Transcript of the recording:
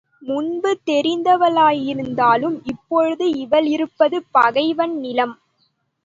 முன்பு தெரிந்த வளாயிருந்தாலும் இப்போது, இவளிருப்பது பகைவன் நிலம்.